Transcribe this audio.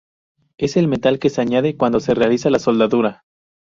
Es el metal que se añade cuando se realiza la soldadura.